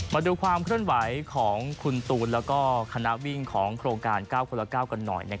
มาดูความเคลื่อนไหวของคุณตูนแล้วก็คณะวิ่งของโครงการ๙คนละ๙กันหน่อย